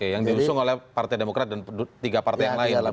yang diusung oleh partai demokrat dan tiga partai yang lain